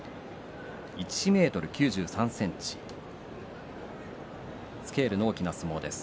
１ｍ９３ｃｍスケールの大きな相撲です。